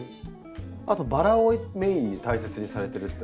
あとバラをメインに大切にされてるっておっしゃって。